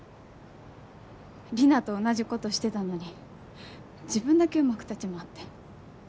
リナと同じことしてたのに自分だけうまく立ち回って。